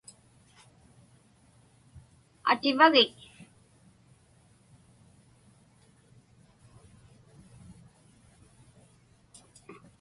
Ativagik?